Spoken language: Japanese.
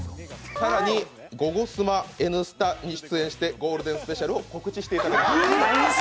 更に、「ゴゴスマ」「Ｎスタ」に出演して「ゴールデンラヴィット！」を宣伝してもらいます。